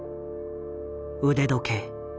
腕時計。